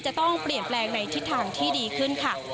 จะต้องเปลี่ยนแปลงในทิศทางที่ดีขึ้นค่ะ